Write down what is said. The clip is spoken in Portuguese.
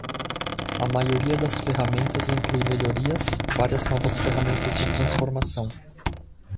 A maioria das ferramentas inclui melhorias, várias novas ferramentas de transformação.